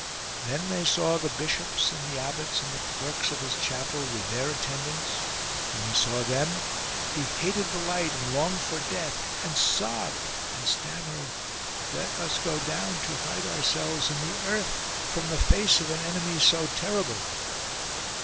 Then they saw the bishops and the abbots and the clerks of his chapel with their attendants. When he saw them he hated the light and longed for death, and sobbed and stammered, " Let us go down to hide ourselves in the earth from the face of an enemy so terrible."